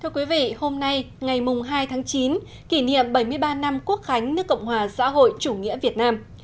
thưa quý vị hôm nay ngày hai tháng chín kỷ niệm bảy mươi ba năm quốc khánh nước cộng hòa xã hội chủ nghĩa việt nam